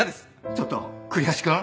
ちょっと栗橋くん？